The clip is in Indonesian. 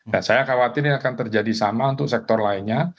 dan saya khawatir ini akan terjadi sama untuk sektor lainnya